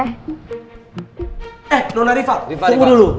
eh nona rifat tunggu dulu